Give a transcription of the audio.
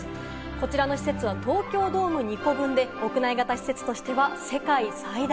こちらの施設は東京ドーム２個分で、屋内型施設としては世界最大。